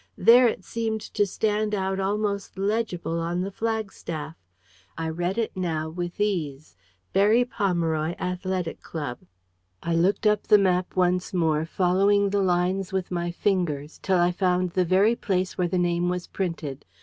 There it seemed to stand out almost legible on the flagstaff. I read it now with ease: "Berry Pomeroy Athletic Club." I looked up the map once more, following the lines with my fingers, till I found the very place where the name was printed.